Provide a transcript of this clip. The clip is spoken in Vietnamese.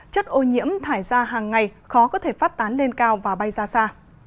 chất ô nhiễm thải ra hàng ngày khó có thể phát tán lên cao và bay ra xa